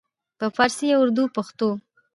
په پارسي، اردو او پښتو